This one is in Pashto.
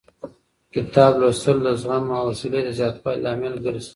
کتاب لوستل د زغم او حوصلې د زیاتوالي لامل ګرځي.